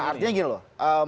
artinya gini loh